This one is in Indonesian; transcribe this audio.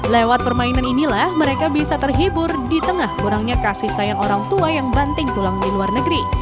lewat permainan inilah mereka bisa terhibur di tengah kurangnya kasih sayang orang tua yang banting tulang di luar negeri